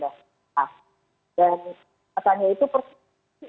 dan pasalnya itu persisisi